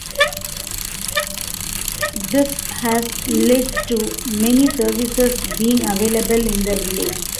This has led to many services being available in the village.